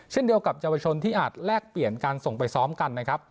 เช่นเดียวกับเยาวชนที่อาจแลกเปลี่ยนการส่งไปซ้อมกันนะครับ